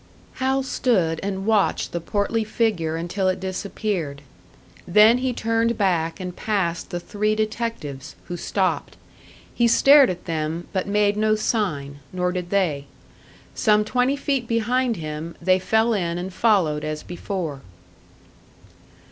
Hal stood and watched the portly figure until it disappeared; then he turned back and passed the three detectives, who stopped. He stared at them, but made no sign, nor did they. Some twenty feet behind him, they fell in and followed as before.